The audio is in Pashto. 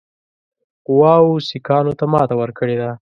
قواوو سیکهانو ته ماته ورکړې ده.